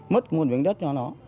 mất một miệng đất cho nó